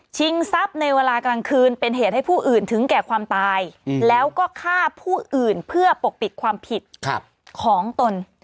ทรัพย์ในเวลากลางคืนเป็นเหตุให้ผู้อื่นถึงแก่ความตายแล้วก็ฆ่าผู้อื่นเพื่อปกปิดความผิดของตน